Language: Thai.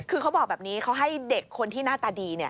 คือเขาบอกแบบนี้เขาให้เด็กคนที่หน้าตาดี